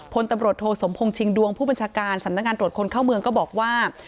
พลตำรวจโทสมพงษ์ชิงดวงผู้บัญชาการสำนักงานตรวจคนเข้าเมืองก็บอกว่า